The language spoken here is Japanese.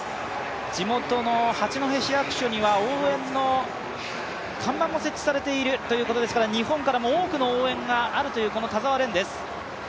地元の八戸市役所には応援の看板も設置されているということですから日本からも多くの応援があるという、この田澤廉です。